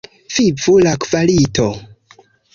Vivu la kvalito!